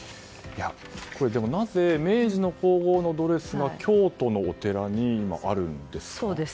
なぜ明治の皇后のドレスが京都のお寺に今、あるんですか？